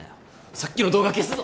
さっきの動画消すぞ！